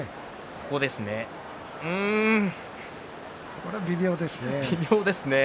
これは微妙ですね。